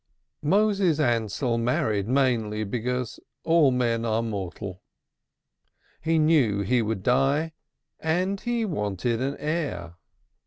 Moses Ansell married mainly because all men are mortal. He knew he would die and he wanted an heir.